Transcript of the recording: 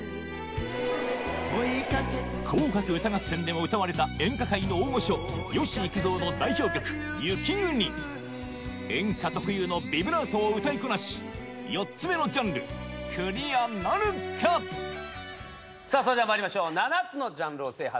『紅白歌合戦』でも歌われた演歌界の大御所演歌特有のビブラートを歌いこなし４つ目のジャンルクリアなるかさぁそれではまいりましょう７つのジャンルを制覇せよ。